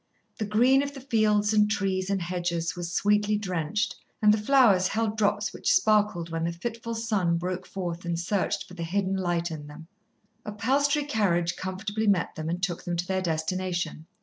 The green of the fields and trees and hedges was sweetly drenched, and the flowers held drops which sparkled when the fitful sun broke forth and searched for the hidden light in them. A Palstrey carriage comfortably met them and took them to their destination.